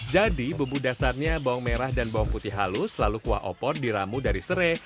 jadi bubu dasarnya bawang merah dan bawang putih halus lalu kuah opor diramu dari sereh